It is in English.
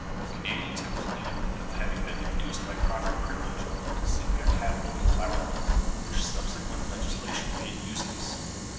Canadians complain of having been induced by a proffered privilege to sink their capital in flour mills, which subsequent legislation made useless.